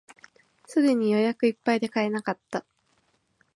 すぐに予約でいっぱいで買えなかった